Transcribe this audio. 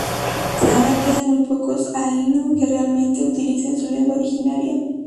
Ahora quedan muy pocos ainu que realmente utilicen su lengua originaria.